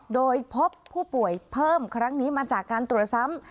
โดยพบผู้ป่วยเพิ่มครั้งนี้มาจากการตรวจซ้ำ